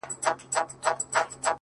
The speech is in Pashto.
ملنگ خو دي وڅنگ ته پرېږده،